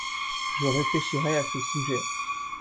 Je réfléchirai à ce sujet.